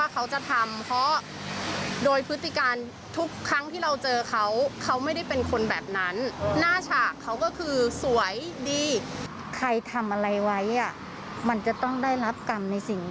ใครทำอะไรไว้อ่ะมันจะต้องได้รับกรรมในสิ่ง